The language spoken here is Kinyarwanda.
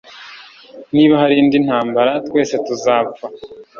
Niba hari indi ntambara twese tuzapfa